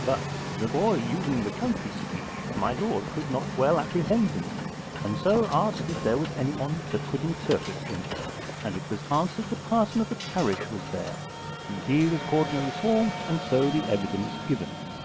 But, the boy using the country speech, my lord could not well apprehend him, and so asked if there was anyone that could interpret him, and it was answered the parson of the parish was there, and he was accordingly sworn and so the evidence given.